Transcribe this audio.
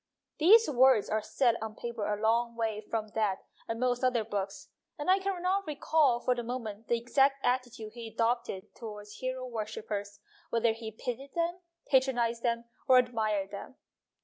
These words are set on paper a long way from that and most other books, and I can not recall for the moment the exact attitude he adopted towards hero worshippers whether he pitied them, patronized them, or admired them.